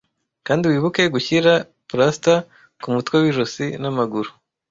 Kandi wibuke gushyira plaster kumutwe wijosi namaguru;